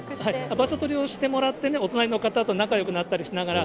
場所取りをしてもらって、お隣の方と仲よくなったりしながら。